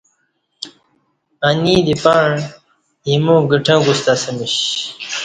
انی دے پیݩع ایمو گٹݣ گوستہ اسمیش